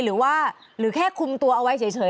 หรือว่าหรือแค่คุมตัวเอาไว้เฉย